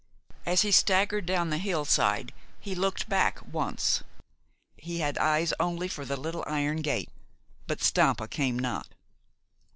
As he staggered down the hillside he looked back once. He had eyes only for the little iron gate, but Stampa came not.